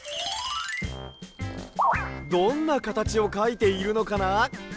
どんなかたちをかいているのかな？